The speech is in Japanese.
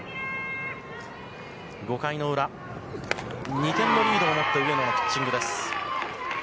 ２点のリードを持って上野のピッチングです。